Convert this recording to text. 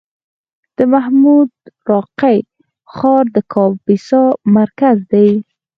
د محمود راقي ښار د کاپیسا مرکز دی